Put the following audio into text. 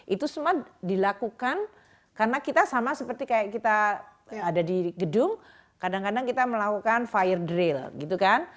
itu semua dilakukan karena kita sama seperti kayak kita ada di gedung kadang kadang kita melakukan fire drill gitu kan